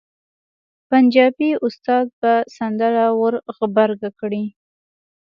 پنجابي استاد به سندره ور غبرګه کړي.